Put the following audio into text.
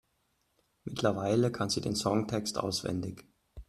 Mittlerweile kann sie den Songtext auswendig.